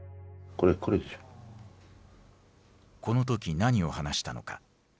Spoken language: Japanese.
この時何を話したのか。